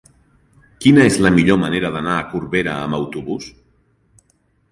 Quina és la millor manera d'anar a Corbera amb autobús?